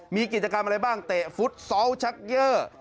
มีกิจกรรมอะไรบ้างเตะฟุตซอลชักเยอร์